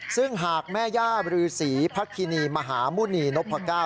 ซึ่งหากแม่ย่าบรือศรีพระคินีมหาหมุณีนพก้าว